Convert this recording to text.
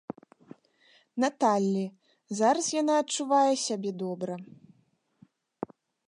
Наталлі, зараз яна адчувае сябе добра.